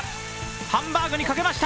ハンバーグにかけました！